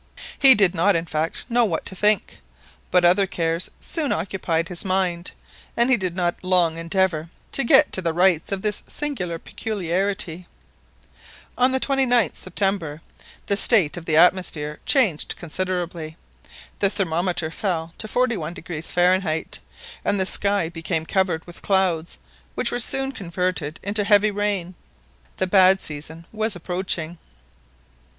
He did not in fact know what to think, but other cares soon occupied his mind, and he did not long endeavour to get to the rights of this singular peculiarity. On the 29th September the state of the atmosphere changed considerably. The thermometer fell to 41° Fahrenheit, and the sky became covered with clouds which were soon converted into heavy rain. The bad season was approaching.